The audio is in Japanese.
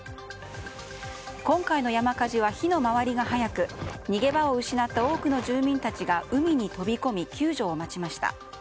今回の山火事は火の回りが早く逃げ場を失った多くの住民たちが海に飛び込み救助を待ちました。